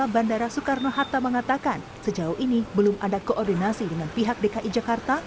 bandara soekarno hatta mengatakan sejauh ini belum ada koordinasi dengan pihak dki jakarta